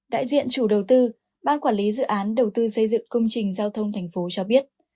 đại diện chủ đầu tư ban quản lý dự án đầu tư xây dựng công trình giao thông thành phố cho biết